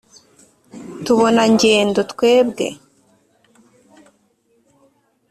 tubona ngendo twebwe! […]